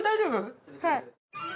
はい。